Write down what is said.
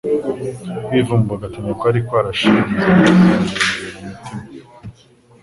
Kwivumbagatanya kwari kwarashinze imizi miremire mu mitima,